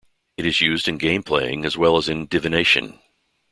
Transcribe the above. It is used in game playing as well as in divination.